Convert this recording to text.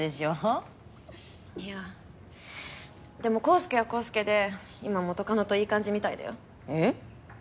いやでも康祐は康祐で今元カノといい感じみたいだよえっ？